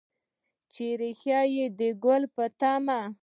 چې ریښې د ګل په تمه